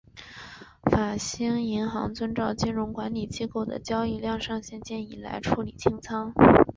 法兴银行遵照金融管理机构的交易量上限建议来处理清仓。